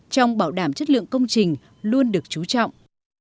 trong bảo đảm chất lượng công trình luôn được chú trọng